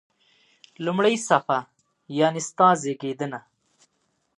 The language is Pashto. لومړی صفحه: یعنی ستا زیږېدنه.